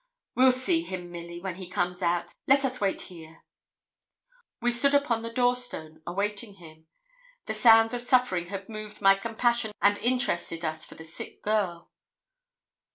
'We'll see him, Milly, when he comes out. Let us wait here.' So we stood upon the door stone awaiting him. The sounds of suffering had moved my compassion and interested us for the sick girl.